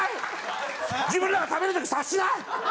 自分らが食べるとき察しない？